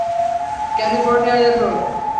California এর রোদ।